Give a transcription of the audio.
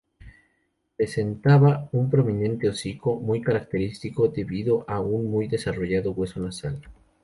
Presentaba un prominente hocico muy característico, debido a un muy desarrollado hueso nasal.